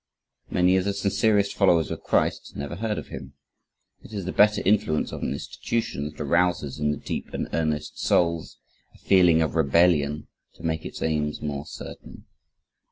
Many of the sincerest followers of Christ never heard of Him. It is the better influence of an institution that arouses in the deep and earnest souls a feeling of rebellion to make its aims more certain.